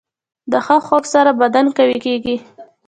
د ښه خوب سره بدن قوي کېږي.